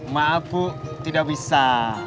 maaf bu tidak bisa